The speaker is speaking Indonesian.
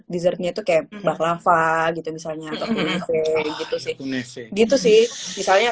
sijil qued bag lava gitu misalnya kita